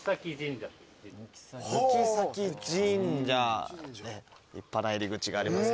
貫前神社立派な入り口があります。